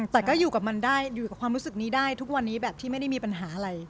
แต่ก็อยู่กับมันได้อยู่กับความรู้สึกนี้ได้ทุกวันนี้แบบที่ไม่ได้มีปัญหาอะไร